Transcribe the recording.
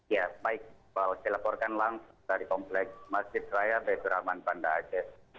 ya baik saya laporkan langsung dari kompleks masjid raya baitur rahman banda aceh